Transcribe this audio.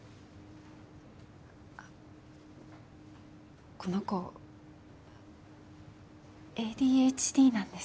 あっこの子ＡＤＨＤなんです。